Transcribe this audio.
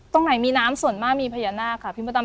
ตรงไหนมีน้ำส่วนมากมีพญานาคค่ะพี่มดดำ